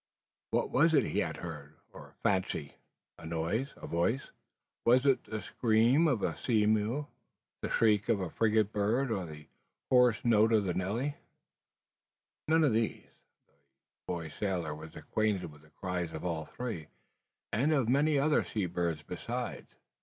What was it he had heard or fancied? A noise, a voice! Was it the scream of the sea mew, the shriek of the frigate bird, or the hoarse note of the nelly? None of these. The boy sailor was acquainted with the cries of all three, and of many other sea birds besides.